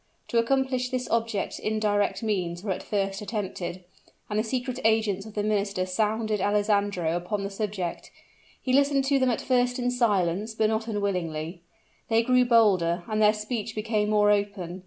To accomplish this object indirect means were at first attempted; and the secret agents of the minister sounded Alessandro upon the subject. He listened to them at first in silence, but not unwillingly. They grew bolder, and their speech became more open.